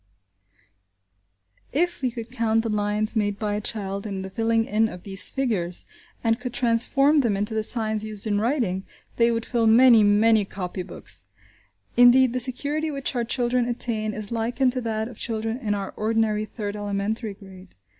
If we could count the lines made by a child in the filling in of these figures, and could transform them into the signs used in writing, they would fill many, many copy books! Indeed, the security which our children attain is likened to that of children in our ordinary third elementary grade.